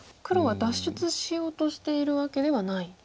黒は脱出しようとしているわけではない。